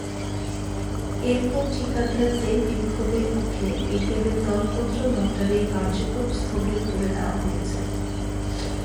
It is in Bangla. এরপর ঠিকাদারদের বিক্ষোভের মুখে বিকেলে দরপত্র লটারির কার্যক্রম স্থগিত করে দেওয়া হয়েছে।